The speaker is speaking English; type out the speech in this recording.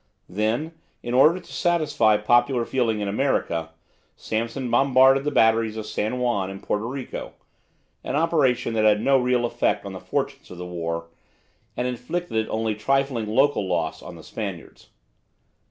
Then, in order to satisfy popular feeling in America, Sampson bombarded the batteries of San Juan, in Puerto Rico, an operation that had no real effect on the fortunes of the war, and inflicted only trifling local loss on the Spaniards.